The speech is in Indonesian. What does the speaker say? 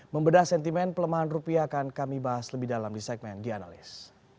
membedah sentimen pelemahan rupiah akan kami bahas lebih dalam di segmen the analyst